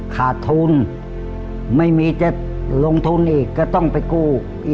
ขาดทุนไม่มีจะลงทุนอีกก็ต้องไปกู้อีก